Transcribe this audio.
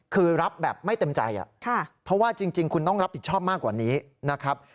คือรับแบบไม่เต็มใจเพราะว่าจริงคุณต้องรับผิดชอบมากกว่านี้นะครับ